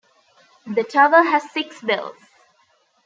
The tower has six bells.